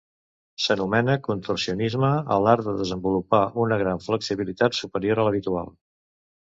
S'anomena contorsionisme a l'art de desenvolupar una gran flexibilitat, superior a l'habitual.